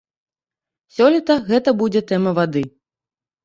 Сёлета гэта будзе тэма вады.